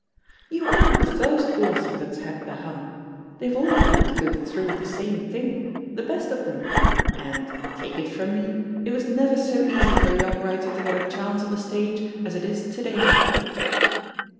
"You aren't the first author that's had the hump. They've all had to go through the same thing — ^the best of them. And, take it from me, it was never so easy for a young writer to get a chance on the stage as it is to day."